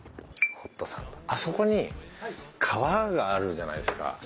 あそこに川があるじゃないですか。